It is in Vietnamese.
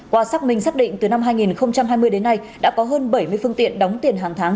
qua xác minh xác định từ năm hai nghìn hai mươi đến nay đã có hơn bảy mươi phương tiện đóng tiền hàng tháng